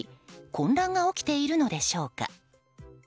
混乱が起きているのでしょうか。